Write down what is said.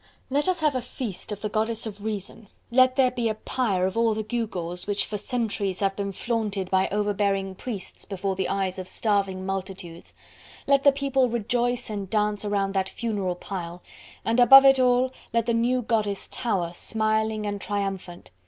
Let us have a feast of the Goddess of Reason, let there be a pyre of all the gew gaws which for centuries have been flaunted by overbearing priests before the eyes of starving multitudes, let the People rejoice and dance around that funeral pile, and above it all let the new Goddess tower smiling and triumphant.